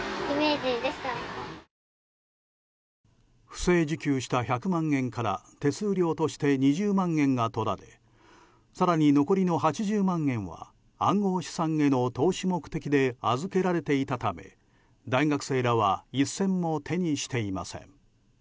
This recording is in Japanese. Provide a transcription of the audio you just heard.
不正受給した１００万円から手数料として２０万円が取られ更に残りの８０万円は暗号資産への投資目的で預けられていたため、大学生らは一銭も手にしていません。